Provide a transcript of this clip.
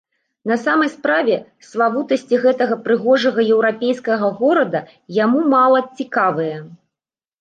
На самай справе, славутасці гэтага прыгожага еўрапейскага горада яму мала цікавыя.